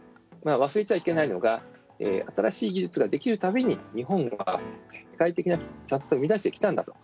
忘れちゃいけないのが新しい技術ができるたびに日本は世界的な企業をちゃんと生みだしてきたんだと。